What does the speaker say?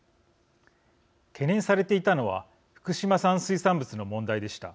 懸念されていたのは福島産水産物の問題でした。